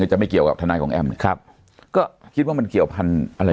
จะไม่เกี่ยวกับทนายของแอมเนี่ยครับก็คิดว่ามันเกี่ยวพันธุ์อะไร